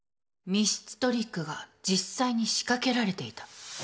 密室トリックが実際に仕掛けられていた。